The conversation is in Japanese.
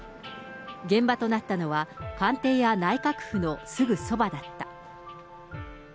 現場となったのは、官邸や内閣府のすぐそばだった。